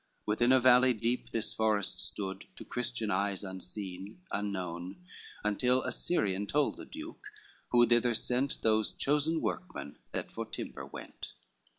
Within a valley deep this forest stood, To Christian eyes unseen, unknown, until A Syrian told the duke, who thither sent Those chosen workmen that for timber went.